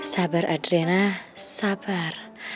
sabar adriana sabar